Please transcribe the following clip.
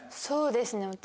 そうですね